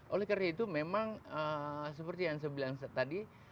oleh karena itu memang seperti yang saya bilang tadi